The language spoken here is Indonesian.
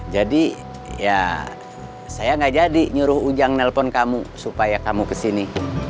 jadi ya saya gak jadi nyuruh ujang nelpon kamu supaya kamu kesini